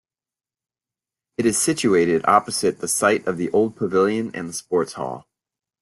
It is situated opposite the site of the old pavilion and the sports hall.